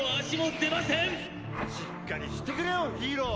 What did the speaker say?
しっかりしてくれよヒーロー！